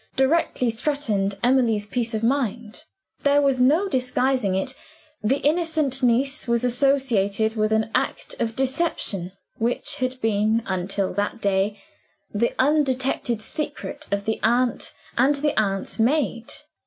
directly threatened Emily's peace of mind. There was no disguising it: the innocent niece was associated with an act of deception, which had been, until that day, the undetected secret of the aunt and the aunt's maid.